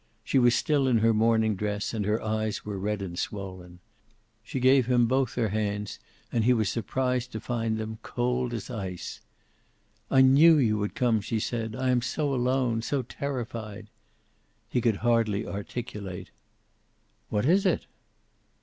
She was still in her morning dress, and her eyes were red and swollen. She gave him both her hands, and he was surprised to find them cold as ice. "I knew you would come," she said. "I am so alone, so terrified." He could hardly articulate. "What is it?"